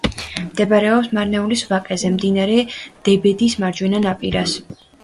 მდებარეობს მარნეულის ვაკეზე, მდინარე დებედის მარჯვენა ნაპირას.